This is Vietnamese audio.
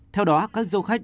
theo đó các du khách